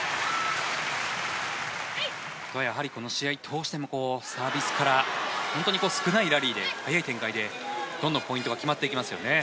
やはり試合、どうしてもサービスから本当に少ないラリーでも少ないポイントでどんどん決まっていきますよね。